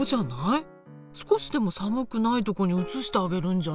少しでも寒くないとこに移してあげるんじゃないかしらね。